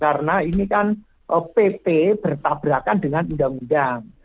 karena ini kan pp bertabrakan dengan undang undang